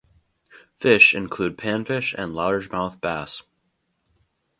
Fish include Panfish and Largemouth Bass.